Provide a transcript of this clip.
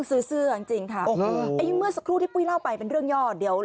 ไม่ได้ไม่ได้ไม่ได้ไม่ได้